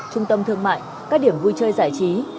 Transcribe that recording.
trung tâm thương mại